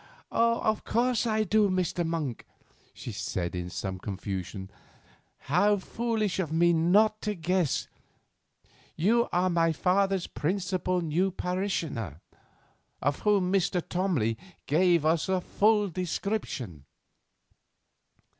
"Oh! of course I do, Mr. Monk," she said in some confusion, "how foolish of me not to guess. You are my father's principal new parishioner, of whom Mr. Tomley gave us a full description."